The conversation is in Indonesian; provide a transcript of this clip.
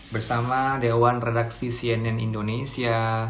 bersama dewan redaksi cnn indonesia